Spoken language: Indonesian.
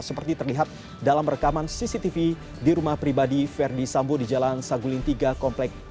seperti terlihat dalam rekaman cctv di rumah pribadi verdi sambo di jalan saguling tiga kompleks